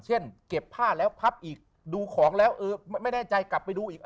เก็บผ้าแล้วพับอีกดูของแล้วไม่แน่ใจกลับไปดูอีก